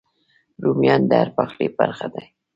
رومیان د هر پخلي برخه دي